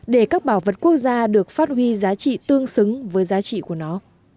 để các bảo vật quốc gia được phát huy giá trị tương xứng với giá trị của nó